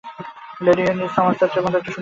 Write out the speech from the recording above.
Lady Henry সমারসেটের একটি সুন্দর বক্তৃতা হল।